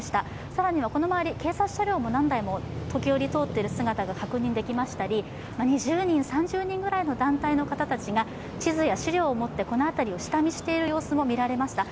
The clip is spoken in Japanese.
更にはこの周り、警察車両も何台も時折通っている姿が確認できましたり２０人、３０人ぐらいの団体の方たちが地図や資料を持ってこの辺りを下見している様子もみられました。